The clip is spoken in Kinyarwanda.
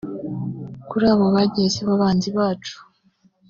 kurijye abo bagiye sibo banzi bacu